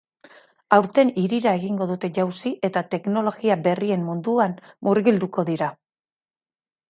Aurten hirira egingo dute jauzi eta teknologia berrien munduan murgilduko dira.